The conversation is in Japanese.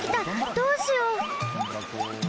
どうしよう！？